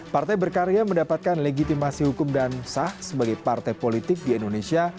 partai berkarya mendapatkan legitimasi hukum dan sah sebagai partai politik di indonesia